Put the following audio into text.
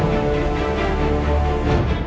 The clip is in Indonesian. teras keturunan majapahit